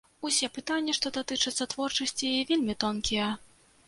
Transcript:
Усе пытанні, што датычацца творчасці, вельмі тонкія.